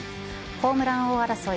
ホームラン王争い